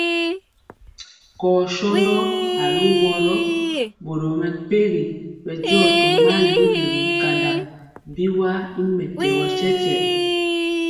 Kɔɔ shondɔ aluworo gɔ, boro mɛmpegi bɛndiɔ tomali nɛ bikanda biwa y mɛtɛgɔ tyetye.